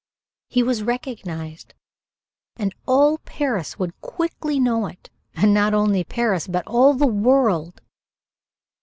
He was recognized, and all Paris would quickly know it, and not Paris only, but all the world.